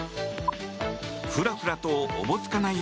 ふらふらとおぼつかない